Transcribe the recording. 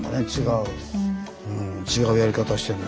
うん違うやり方してるね。